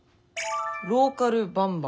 「『ローカルバンバン！』